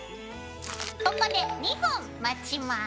ここで２分待ちます。